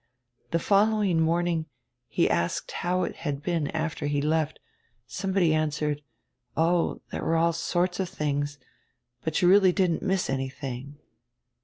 The following morn ing he asked how it had been after he left. Somebody answered: 'Oh, there were all sorts of things, but you really didn't miss anything.'